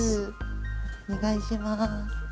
お願いします。